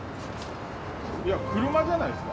いや車じゃないですか？